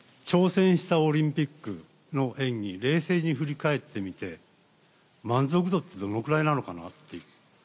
挑戦したオリンピックの演技冷静に振り返ってみて満足度ってどのくらいなのかなと。